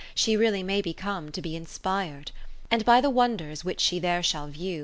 She really may be come to be inspir'd ; And by the wonders which she there shall view.